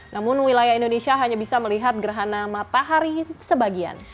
namun wilayah indonesia hanya bisa melihat gerhana matahari sebagian